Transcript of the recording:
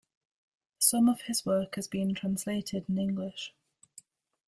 Some of his work has been translated in English.